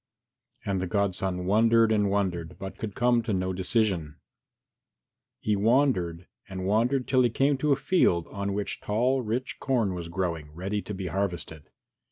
And the godson wondered and wondered, but could come to no decision. He wandered and wandered till he came to a field on which tall rich corn was growing, ready to be harvested.